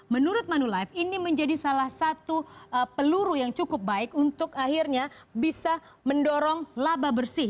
menurut manulife ini menjadi salah satu peluru yang cukup baik untuk akhirnya bisa mendorong laba bersih